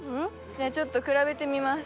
じゃあちょっと比べてみます。